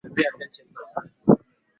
Nimekataa kuwaambia chochote